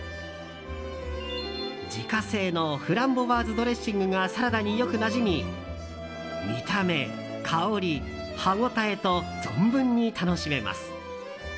自家製のフランボワーズドレッシングがサラダによくなじみ見た目、香り、歯応えと存分に楽しめます。